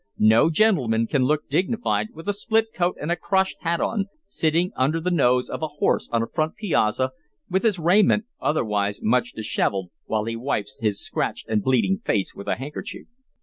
No gentleman can look dignified with a split coat and a crushed hat on, sitting under the nose of a horse on a front piazza, with his raiment otherwise much disheveled, while he wipes his scratched and bleeding face with a handkerchief.